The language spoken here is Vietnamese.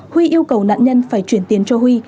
huy yêu cầu nạn nhân phải chuyển tiền cho huy